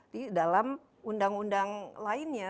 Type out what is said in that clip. di dalam undang undang lainnya